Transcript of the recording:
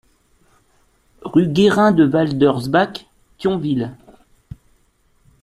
Rue Guérin de Waldersbach, Thionville